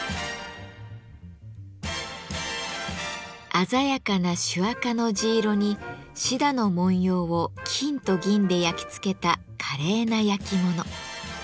鮮やかな朱赤の地色に羊歯の文様を金と銀で焼き付けた華麗な焼き物。